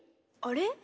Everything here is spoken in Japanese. あれ？